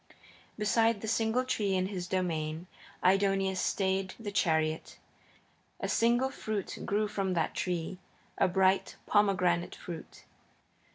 Beside the single tree in his domain Aidoneus stayed the chariot. A single fruit grew on that tree, a bright pomegranate fruit.